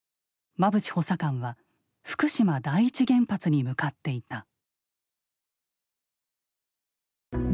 馬淵補佐官は福島第一原発に向かっていた。